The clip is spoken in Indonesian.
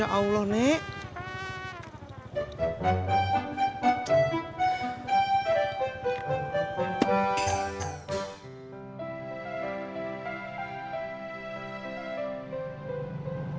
masya allah nek